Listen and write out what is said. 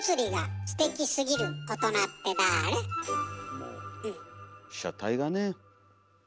もう被写体がね？